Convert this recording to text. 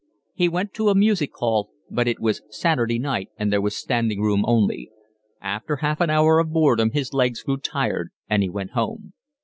He went to a music hall, but it was Saturday night and there was standing room only: after half an hour of boredom his legs grew tired and he went home.